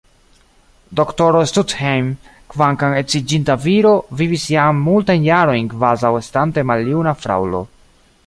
Doktoro Stuthejm, kvankam edziĝinta viro, vivis jam multajn jarojn kvazaŭ estante maljuna fraŭlo.